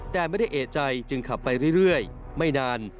แต่ไม่ได้เอกใจจึงขับไปเรื่อยไม่นาน